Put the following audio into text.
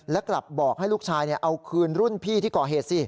และกลับบอกให้ลูกชายเอาคืนรุ่นพี่ที่ก่อเหตุสิ